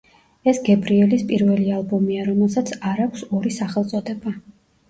ეს გებრიელის პირველი ალბომია, რომელსაც არ აქვს ორი სახელწოდება.